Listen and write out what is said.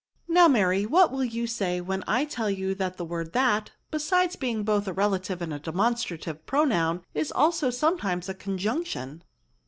" Now, Mary, what will you say when I tell you that the word that^ besides being both a relative and a demonstrative pronoun, is also sometimes a conjunction